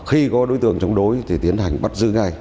khi có đối tượng chống đối thì tiến hành bắt giữ ngay